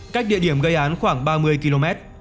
cách địa điểm gây án khoảng ba mươi km